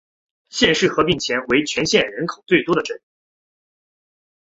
县市合并前为全县人口最多的镇。